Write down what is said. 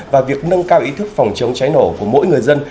và việc nâng cao ý thức phòng chống cháy nổ của mỗi người dân